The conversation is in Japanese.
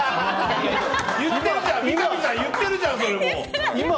三上さん、言ってるじゃんそれもう！